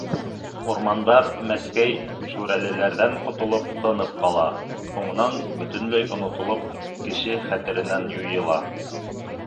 Урмандар Мәскәй, Шүрәлеләрҙән ҡотолоп, тынып ҡала. һуңынан бөтөнләй онотолоп кеше хәтеренән юйыла.